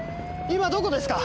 今どこですか？